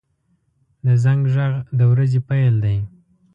• د زنګ غږ د ورځې پیل دی.